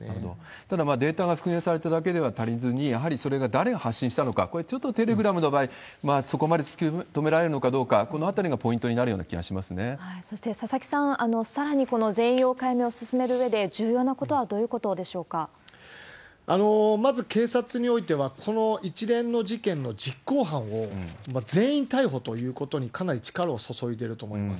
ただ、データが復元されただけでは足りずに、やはりそれが誰が発信したのか、これ、ちょっとテレグラムの場合、そこまで突き止められるのかどうか、このあたりがポイントになるそして佐々木さん、さらにこの全容解明を進めるうえで、重要なことはどういうことでまず警察においては、この一連の事件の実行犯を全員逮捕ということにかなり力を注いでいると思います。